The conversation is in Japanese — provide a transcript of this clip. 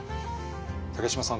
竹島さん